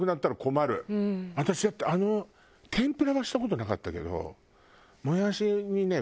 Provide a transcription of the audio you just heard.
私だってあの天ぷらはした事なかったけど。